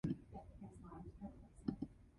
David Robert Smith was born in Fishponds, Bristol.